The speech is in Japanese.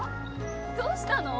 どうしたの？